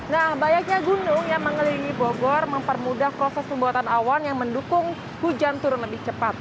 nah banyaknya gunung yang mengelilingi bogor mempermudah proses pembuatan awan yang mendukung hujan turun lebih cepat